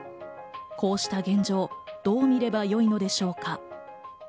こうした現状をどう見ればよいのでしょうか？